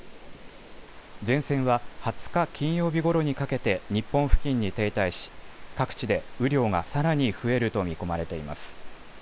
前線は２０日金曜日ごろにかけて日本付近に停滞し各地で雨量がさらに増えると見込まれています。